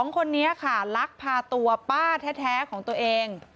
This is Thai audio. ๒คนนี้ค่ะลักพาตัวป้าแท้ของตัวเอง